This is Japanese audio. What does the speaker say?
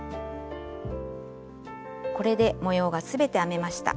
これで模様が全て編めました。